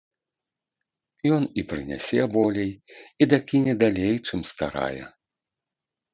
Ён і прынясе болей, і дакіне далей, чым старая.